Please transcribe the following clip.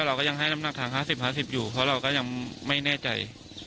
แต่เราก็ยังให้น้ำหนักทางห้าสิบห้าสิบอยู่เพราะเราก็ยังไม่แน่ใจ